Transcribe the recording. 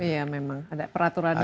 iya memang ada peraturan gitu soalnya